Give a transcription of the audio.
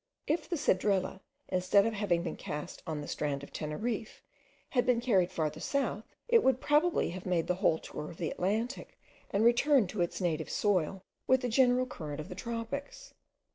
If the cedrela, instead of having been cast on the strand of Teneriffe, had been carried farther south, It would probably have made the whole tour of the Atlantic, and returned to its native soil with the general current of the tropics.